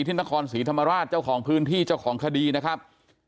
ที่นครศรีธรรมราชเจ้าของพื้นที่เจ้าของคดีนะครับ